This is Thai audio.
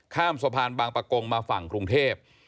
ข้ามสะพานบางประกงมาฝั่งกรุงเทพ